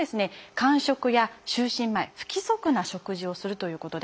間食や就寝前不規則な食事をするということで。